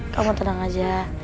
kamu tenang aja